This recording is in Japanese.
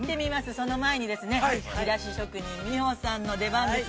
その前に、お菓子職人、美穂さんの出番です。